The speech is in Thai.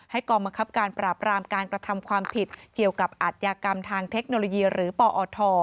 กองบังคับการปราบรามการกระทำความผิดเกี่ยวกับอัธยากรรมทางเทคโนโลยีหรือปอท